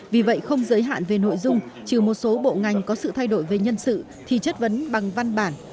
vì vậy không giới hạn về nội dung trừ một số bộ ngành có sự thay đổi về nhân sự thì chất vấn bằng văn bản